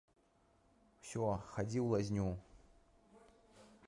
Усё, хадзі ў лазню.